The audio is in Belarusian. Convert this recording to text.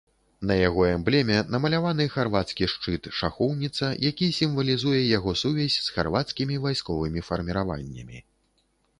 На яго эмблеме намаляваны харвацкі шчыт-шахоўніца, які сімвалізуе яго сувязь з харвацкімі вайсковымі фарміраваннямі.